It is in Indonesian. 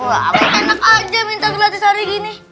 wah aku enak aja minta gratis hari gini